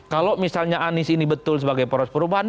kalau misalnya anies ini betul sebagai poros perubahan